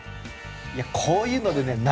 いやこういうのでね